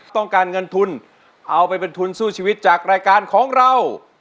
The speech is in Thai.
ต้องการเงินทุนเอาไปเป็นทุนสู้ชีวิตจากรายการของเรา